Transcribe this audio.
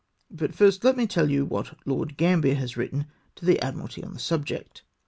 But first let me tell you what Lord Gambler has written to the Admiralty on the subject."